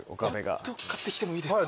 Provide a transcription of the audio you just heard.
ちょっと買ってきてもいいですか？